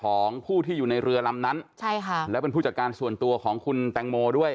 ของผู้ที่อยู่ในเรือลำนั้นใช่ค่ะแล้วเป็นผู้จัดการส่วนตัวของคุณแตงโมด้วย